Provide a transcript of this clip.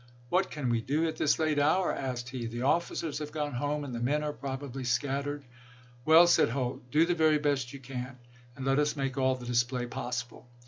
"What can we do at this late hour I " asked he. " The officers have gone home, and the men are probably scat versaS", tered." " Well," said Holt, " do the very best you Personal can, and let us make all the display possible."